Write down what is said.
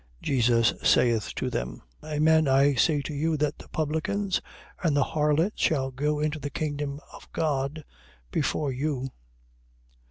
Jesus saith to them: Amen I say to you that the publicans and the harlots shall go into the kingdom of God before you.